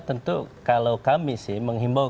tentu kalau kami sih menghimbau